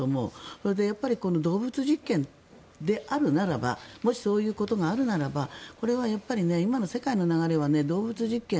それで、動物実験であるならばもし、そういうことがあるならば今の世界の流れは動物実験